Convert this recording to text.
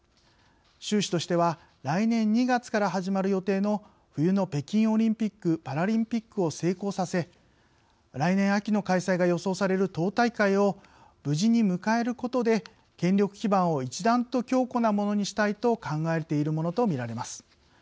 習氏としては来年２月から始まる予定の冬の北京オリンピック・パラリンピックを成功させ来年秋の開催が予想される党大会を無事に迎えることで権力基盤を一段と強固なものにしたいと考えているものとみられます。